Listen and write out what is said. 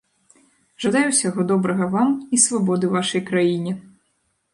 Жадаю усяго добрага вам і свабоды вашай краіне.